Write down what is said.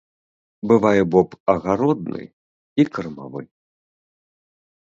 Бывае боб агародны і кармавы.